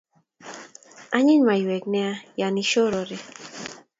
Anyiny maiyek nea yan ishorore